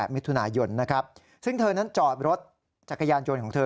มิถุนายนนะครับซึ่งเธอนั้นจอดรถจักรยานยนต์ของเธอ